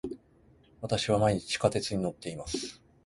私は毎日地下鉄に乗っています。